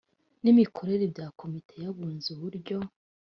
n imikorere bya komite y abunzi uburyo